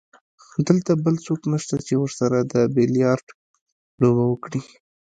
دلته بل څوک نشته چې ورسره د بیلیارډ لوبه وکړي.